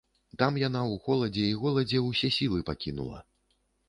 Там яна ў холадзе і голадзе ўсе сілы пакінула.